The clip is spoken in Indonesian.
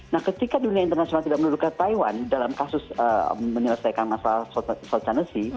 nah ketika dunia internasional tidak mendudukkan taiwan dalam kasus menyelesaikan masalah soltanasi